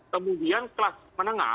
kemudian kelas menengah ya